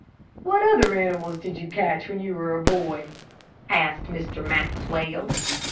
"What other animals did you catch when you were a boy?" asked Mr. Maxwell.